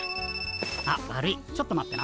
あっ悪いちょっと待ってな。